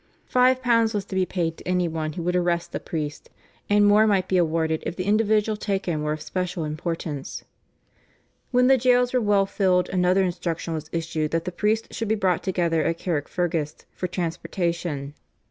Five pounds was to be paid to any one who would arrest a priest, and more might be awarded if the individual taken were of special importance. When the jails were well filled, another instruction was issued that the priests should be brought together at Carrickfergus for transportation.